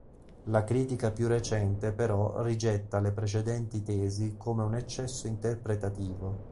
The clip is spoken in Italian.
La critica più recente però rigetta le precedenti tesi come un eccesso interpretativo.